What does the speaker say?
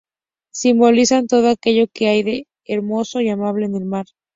Simbolizan todo aquello que hay de hermoso y amable en el mar.